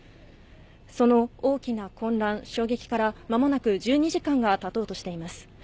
その大きな混乱、衝撃からまもなく１２時間がたとうとしています。